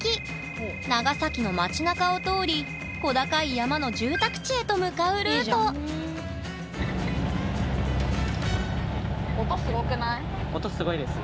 長崎の街なかを通り小高い山の住宅地へと向かうルート音スゴいですね。